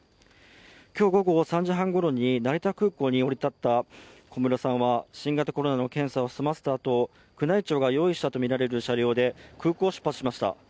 今日午後３時半ごろに成田空港に降り立った小室さんは新型コロナの検査を済ませたあと宮内庁が用意したとみられる車両で空港を出発しました。